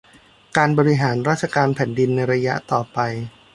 การบริหารราชการแผ่นดินในระยะต่อไป